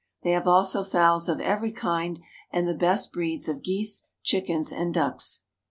They have also fowls of every kind and the best breeds of geese, chickens, and ducks.